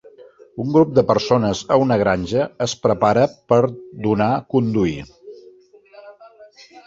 Un grup de persones a una granja es prepara per donar conduir